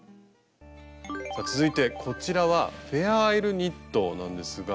さあ続いてこちらはフェアアイルニットなんですが。